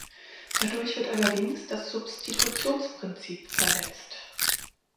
Dadurch wird allerdings das Substitutionsprinzip verletzt.